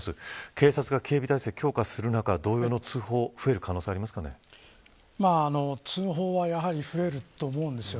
警察が警備態勢を強化する中同様の通報通報はやはり増えると思います。